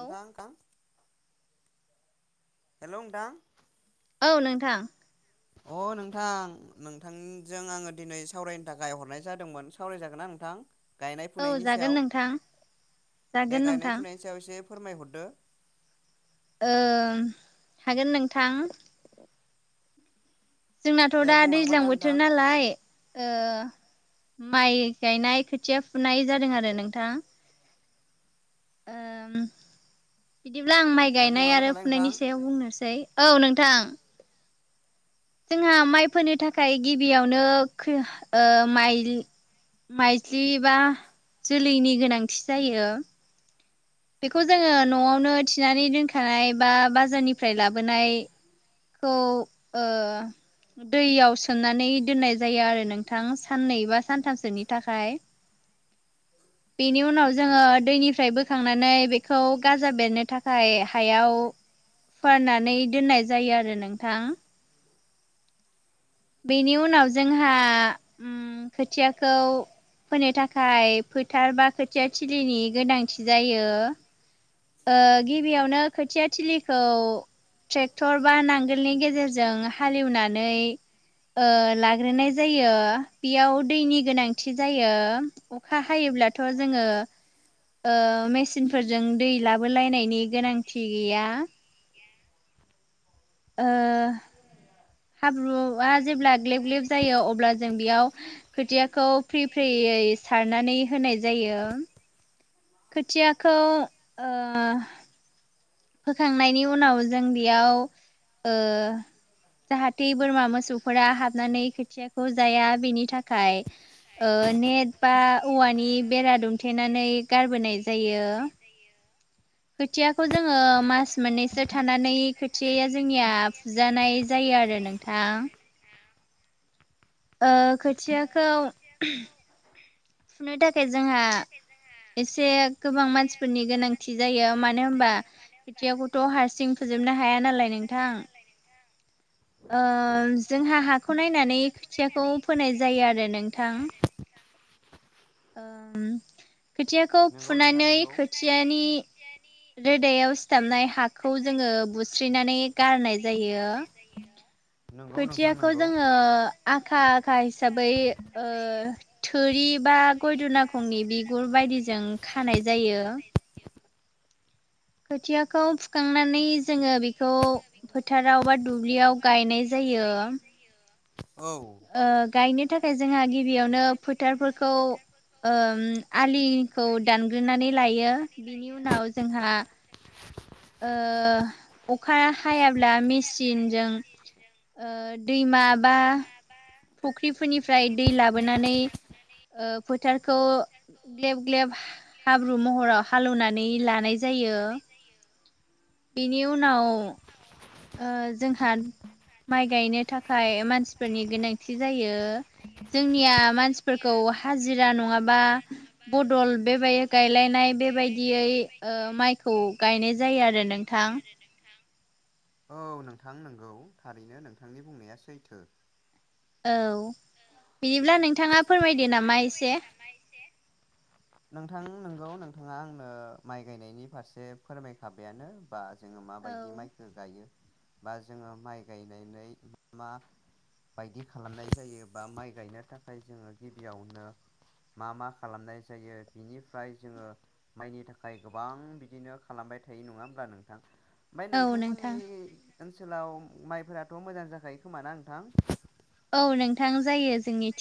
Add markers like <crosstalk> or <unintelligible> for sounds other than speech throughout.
औ नोंथां हेल' नोंथां औ नोंथां। अ नोंथां नोंथांजों आङो दिनै सावरायनो थाखाय हरनाय जादोंमोन। सावरायजागोन ना नोंथां गायनाय औ फुनायनि जागोन सायाव नोंथां जागोन दे नोंथां गायनाय फुनाय। एसेयाव एसे फोरमायहरदो। ओ हागोन नोंथां जोंनाथ' दे दा बुंलांबाय दैज्लां था बोथोर नोंथां नालाय। माइ गायनाय खोथिया फुनाय जादों आरो नोंथां। बिदिब्ला आं माइ दे गायनाय बुंलांबाय आरो थालाय नोंथां फुनायनि सायाव बुंनोसै। औ नोंथां। जोंहा माइ फोनो थाखाय गिबियावनो माइ माइज्लि बा जोलैनि गोनांथि जायो। बेखौ जोङो न'आवनो थिनानै दोनखानाय बा बाजारनिफ्राय लाबोनाय। खौ ओ दैआव सोम सोमनानै दोननाय जायो आरो नोंथां साननै बा सानथामसोनि थाखाय। बेनि उनाव जोङो दैनिफ्राय बोखांनानै बेखौ गाजा बेरनो थाखाय हायाव। फाननानै दोननाय जायो आरो नोंथां। बेनि उनाव जोंहा खोथियाखौ फोनो थाखाय फोथार बा खोथिया थिलिनि गोनांथि जायो ओ गिबियावनो खोथिया थिलिखौ। ट्रेक्टर बा नांगोलनि गेजेरजों हालेवनानै लाग्रोनाय जायो बेयाव दैनि गोनांथि जायो। अखा हायोब्लाथ' जोङो। ओ मेसिनफोरजों दै लाबोलायनायनि गोनांथि गैया <unintelligible> हाब्रुआ जेब्ला ग्लेब ग्लेब जायो अब्ला जों बेयाव खोथियाखौ फ्रि फ्रियै सारनानै होनाय जायो। खोथियाखौ फोखांनायनि उनाव जों बेयाव। जाहाथे बोरमा मोसौफोरा हाबनानै खोथियाखौ जाया बिनि थाखाय। नेट बा औवानि बेरा दुमथेनानै गारबोनाय जायो। खोथियाखौ जोङो मास मोननैसो थानानै खोथियाया जोंनिया फुजानाय जायो आरो नों थां ओ खोथियाखौ फुनो थाखाय जोंहा एसे गोबां मानसिफोरनि गोनांथि जायो मानो होनबा। खेथियाखौथ' हारसिं फोजोबनो हाया नालाय नोंथां। ओ जोंहा हाखौ नायनानै खोथियाखौ फोनाय जायो आरो नोंथां। ओम खोथियाखौ नोंगौ नोंथां फुनानै नोंगौ खोथियानि रोदायाव सिथाबनाय हाखौ जोङो बुस्रिनानै गारनाय जायो। जायो। खोथियाखौ जोङो आखा आखा हिसाबै ओ थोरि बा गयदुनाखंनि बिगुर बायदिजों खानाय जायो। खोथियाखौ फुखांनानै जोङो बेखौ फोथाराव बा दुब्लियाव गायनाय। जायो गायनाय जायो औ। ओ गायनो थाखाय जोंहा गिबियावनो फोथारफोरखौ आलिखौ दानग्रोनानै लायो बिनि उनाव जोंहा। अखा हायाब्ला मेसिनजों। ओ दैमा बा फख्रिफोरनिफ्राय दै लाबोनानै। ओ फोथारखौ ग्लेब ग्लेब हाब्रु महराव हालेवनानै लानाय जायो। बिनि उनाव ओ जोंहा माइ गायनो थाखाय मानसिफोरनि गोनांथि जायो। जोंनिया मानसिफोरखौ हाजिरा नङाबा बदल बेबायदि गायलायनाय बेबायदियै माइखौ गायनाय जायो आरो नोंथां। नोंथां। औ नोंथां नंगौ थारैनो नोंथांनि बुंनाया सैथो। औ बिदिब्ला नोंथाङा फोरमायदो नामा एसे? नोंथां नोंगौ नोंथाङा आंनो माइ गायनायनि फारसे फोरमायखाबायानो बा जोङो औ माबायदि माइखौ गायो बा जोङो माइ गायनानै मा बायदि खालामनाय जायो बा माइ गायनो थाखाय जोङो गिबियावनो मा मा खालामनाय जायो‍? बिनिफ्राय जोङो माइनि थाखाय गोबां बिदिनो खालामबाय थायो नङा होमब्ला नोंथां? ओमफ्राय औ नोंथां नोंथांमोननि ओनसोलाव माइफोराथ' मोजां जाखायो खोमा ना नोंथां? औ नों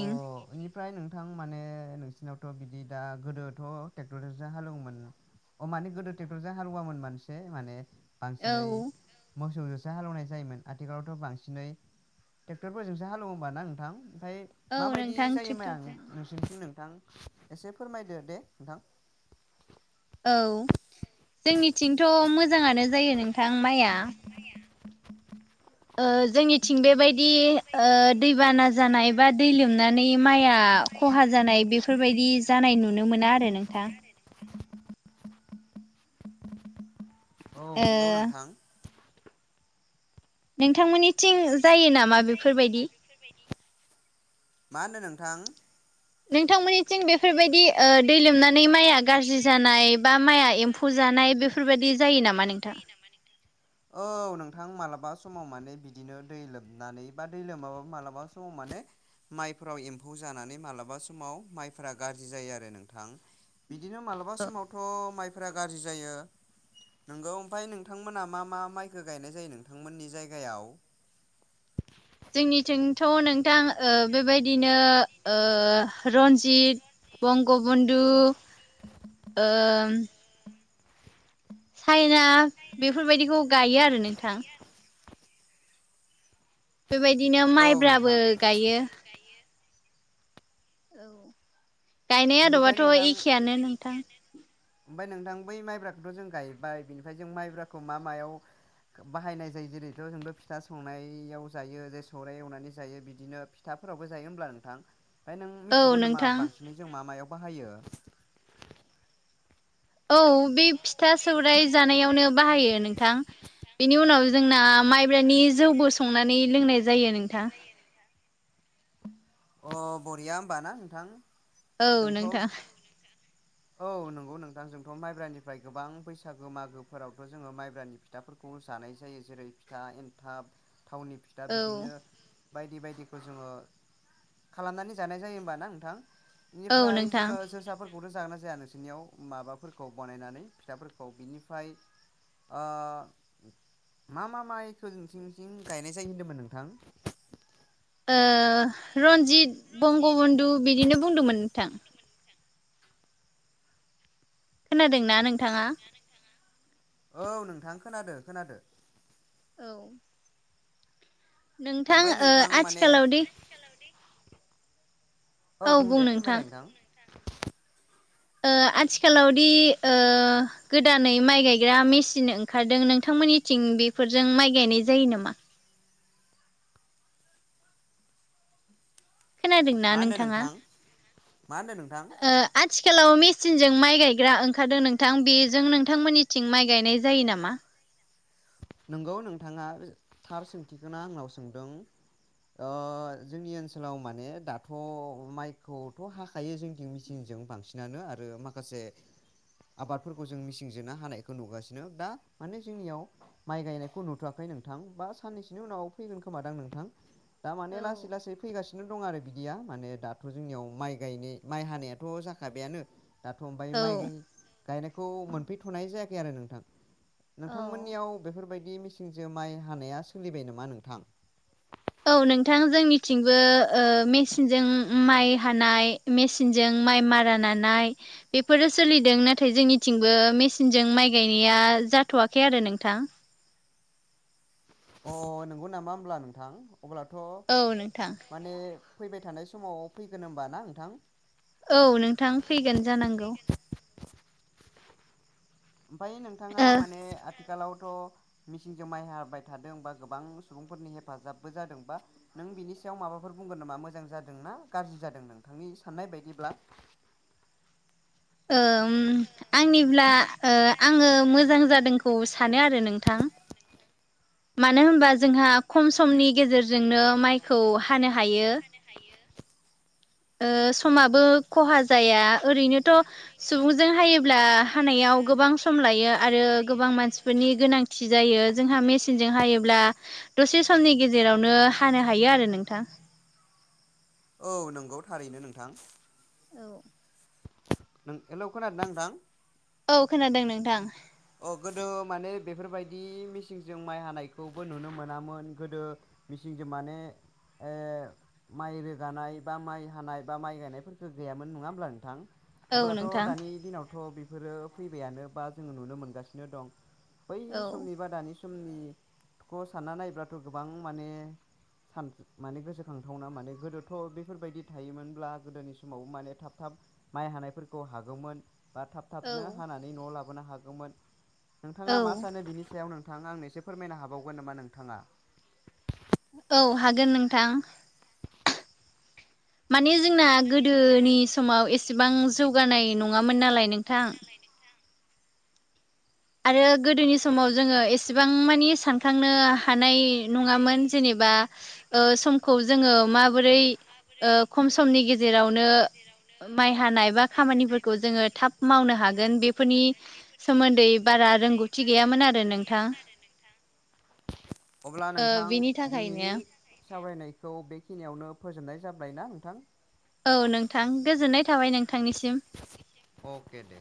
अ फ्राय नोंथां माने नोंसिनावथ' बिदि दा गोदोथ' ट्रेक्टरजोंसो हालेवोमोन अ माने गोदो ट्रेक्टरजों हालुवामोन मानसि माने औ बांसिनै मोसौजोंसो हालौनाय जायोमोन आथिखालावथ' बांसिनै ट्रेक्टरफोरजोंसो हालौवोबा ना थां ओमफ्राय औ माबायदि नोंथां जायो माया आं ट्रेक्टरजों नों सिन्थिं नोंथां एसे फोरमायदो दे नोंथां। औ। जोंनिथिंथ' मोजाङानो जायो नोंथां माइआ। ओ जोंनिथिं बेबायदि ओ दैबाना जानाय बा दै लोम नानै माइया खहा जानाय बेफोरबायदि जानाय नुनो मोना आरो नोंथां। औ ओ नंगौ नोंथां। नोंथांमोननिथिं जायो नामा बेफोरबायदि? मा होनदों नोंथां? नोंथांमोननिथिं बेफोरबायदि नोंथांमोननिथिं ओ दै बेफोरबायदि ओ लोमनानै दै माइआ लोमनानै गाज्रि माइया जानाय गाज्रि बा माइआ जानाय बा एम्फौ माइया जानाय एम्फौ बेफोरबायदि जायो नामा नोंथां औ नोंथां मालाबा समाव माने बि दिनो दै लोमनानै बा दै लोमाबाबो मालाबा सम माने माइफोराव एम्फौ जानानै मालाबा समाव माइफोरा गाज्रि जायो आरो नोंथां। बिदिनो मालाबा समावथ' माइफोरा गाज्रि जायो। नोंगौ। ओमफ्राय नोंथांमोना मा मा माइखौ गायनाय जायो नोंथांमोननि जायगायाव? जोंनिथिंथ' नोंथां बेबायदिनो ओ रन्जित, बंगबन्धु, ओ साइना बेफोरबायदिखौ गायो आरो नोंथां। बेबायदिनो औ माइब्राबो नोंथां। गायो। औ। गायनाय बिनिफ्राय आदबाथ' एखेयानो नोंथां ओमफाय नोंथां बै माइब्राखौथ' जों गायबाय बिनिफ्राय जों माइब्राखौ मा मायाव बाहायनाय जायो जेरैथ' जोंथ' फिथा सौनायाव जायो जे सौराय एवनानै जायो बिदिनो फिथाफोरावबो जायो होमब्ला नोंथां ओमफ्राय नों औ मिथिगौ नामा नोंथां बांसिनै जों मा मायाव बाहायो औ बे फिथा सौराइ जानायावनो बाहायो नोंथां बेनि उनाव जोंना माइब्रानि जौबो संनानै लोंनाय जायो नोंथां <inaudible> अह बरिया होमबाना नोंथां? औ जोंथ' नोंथां औ नंगौ नोंथां जों माइब्रानिफ्राय गोबां बैसागो मागोफोरावथ' जोङो माइब्रानि फिथाफोरखौ जानाय जायो। जेरै फिथा, एन्थाब, थावनि फिथा औ बिदिनो बायदि बायदिखौ जोङो खालामनानै जानाय जायो होमबाना नोंथां? औ बेनिफ्राय नोंथां जोङो जोसाफोरखौथ' जागोनना जाया नोंसोरनियाव माबाफोर खौ बानायनानै फिथाफोरखौ बिनिफ्राय ओ मा मा माइखौ नोंसिनिथिं गायनाय जायो होन्दोंमोन नोंथां ओ रन्जित बंग' बुन्धु बिदिनो बुंदोंमोन नोंथां खोनादों ना नोंथाङा औ नोंथां खोनादो खोनादो औ नोंथां ओमफ्राय ओ नोंथां माने आथिखालाव दि औ बुं दे फोरमायलाय नोंथां ओ आथिखालाव दि गोदानै माइ गायग्रा मेसिन ओंखारदों नोंथांमोननि थिं बेफोरजों माइ गायनाय जायो नामा? खोनादोंना मा होन्दों नोंथाङा नोंथां मा होन्दों नोंथां? ओ आथिखालाव मेसिनजों माइ गायग्रा ओंखारदों नोंथां बेजों नोंथांमोननिथिं माइ गायनाय जायो नामा? नंगौ नोंथाङा थार सोंथिखौनो आंनाव सोंदों ओ जोंनि ओनसोलाव माने दाथ' माइखौथ' हा खायो जोंनिथिं मेचिनजों बांसिनानो आरो माखासे आबादफोरखौ जों मिचिनजोंनो हानायखौ नुगासिनो दा माने जोंनियाव माइ गायनायखौ नुथ'वाखै नोंथां बा साननैसोनि उनाव फैगोन खोमादां नोंथां दा माने औ लासै लासै फैगासिनो नो दं आरो बिदिया माने दाथ' जोंनियाव माइ गायनाय माइ हानायाथ' जाखाबायानो दाथ' ओमफाय औ माय गाय गायनायखौ मोनफैथ'नाय जायाखै आरो नोंथां औ नोंथांमोननियाव बेफोरबायदि मेचिनजों माइ हानाया सोलिबाय नामा नोंथां? औ नोंथां जोंनिथिंबो ओ मेचिनजों ओम माइ हानाय मेचिनजों माइ मारा नानाय बेफोरो सोलिदों नाथाय जोंनिथिंबो मेचिनजों माइ गायनाया जाथ'वाखै आरो नोंथां अ नंगौ नामा होनब्ला नोंथां अब्लाथ' औ नोंथां माने फैबाय थानाय समाव फैगोन होमबा ना नोंथां औ नोंथां फैगोन जानांगौ ओमफाय नोंथाङा ओ माने आथिखालावथ' मिसिनजों माइ हाबाय थादों बा गोबां सुबुंफोरनि हेफाजाबबो जादों बा नों बिनि सायाव माबाफोर बुंगोन नामा मोजां जादों ना गाज्रि जादों नोंथांनि साननाय बायदिब्ला ओम <inaudible> आंनिब्ला ओ आङो मोजां जादोंखौ सानो आरो नोंथां मानो होनबा जोंहा खम समनि गेजेरजोंनो माइखौ हानो हायो नो हायो ओ समाबो खहा जाया ओरैनोथ' सुबुंजों हायोब्ला हानायाव गोबां सम लायो आरो गोबां मानसिफोरनि गोनां थि जायो जोंहा मेचिनजों हायो होनब्ला दसे समनि गेजेरावनो हानो हायो आरो नोंथां। औ नंगौ थारैनो नोंथां। औ। नों हेलौ खोनादोंना नोंथां? औ खोनादों नोंथां अ गोदो माने बेफोरबायदि मेचिनजों माइ हानायखौबो नुनो मोनामोन गोदो मेसिंजों माने ओ माइ रोगानाय बा माइ हानाय बा माइ गायनायफोरखौ गैयामोन नङा होमब्ला नोंथां औ अब्लाथ' नोंथां दानि दिनावथ' बेफोरो फैबायानो बा जोङो नुनो मोनगासिनो दं। बै औ समनि बा दानि समनिखौ सानना नायोबब्लाथ' गोबां माने सान माने गोसोखांथावना माने गोदोथ' बेफोरबायदि थायोमोनब्ला गोदोनि समाव माने थाब थाब माइ हानायफोरखौ हागौमोन बा थाब औ थाबनो हानानै न'आव लाबोनो हागौमोन औ नोंथाङा मा सानो बिनि सायाव नोंथां आंनो एससे फोरमायनो हाबावगोन नामा नोंथाङा? औ हागोन नोंथां। माने जोंना गोदोनि समाव एसेबां जौगानाय नङामोन नालाय नोंथां। आरो गोदोनि समाव जोङो एसे बेसेबां मानि सानखांनो हानाय नङामोन जेनेबा स ज मै ख गेजेरावनो माइ हानाय ब खामानिफोरखौ जोङो थाब मावनो हागोन बेफोरनि सोमोन्दै ब सोमोन्दै बारा रोंगौथि गैयामोन आरो नोंथां। अब्ला ओ नोंथां बिनि दिनैनि थाखायनो सावरायनायखौ बेखिनियावनो फोजोबनाय जाबाय ना नोंथां। औ नोंथां गोजोननाय थाबाय नोंथांनिसिम। अके दे